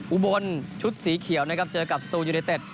อุบลชุดสีเขียวนะครับเจอกับสตูยูเนเต็ด